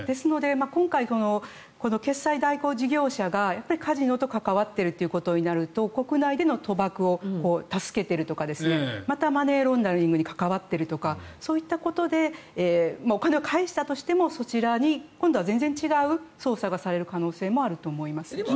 今回、決済代行業者がカジノと関わっていることになると、国内での賭博を助けているとかまた、マネーロンダリングに関わっているとかそういったことでお金を返したとしてもそちらに今度は全然違う捜査をされる可能性もあると思います。